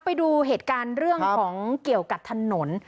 ไปดูเหตุการณ์เรื่องของเกี่ยวกับถนน